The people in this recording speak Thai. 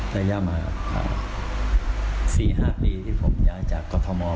พยายามมา๔๕ปีที่ผมอยากจะกระท้าวมอล